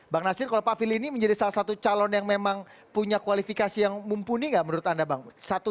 bang nasir kalau pak fili ini menjadi salah satu calon yang memang punya kualifikasi yang mumpuni nggak menurut anda bang